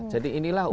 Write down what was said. jadi inilah upaya